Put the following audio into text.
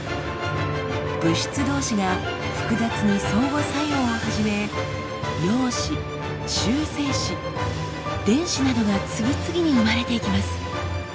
物質同士が複雑に相互作用を始め陽子中性子電子などが次々に生まれていきます。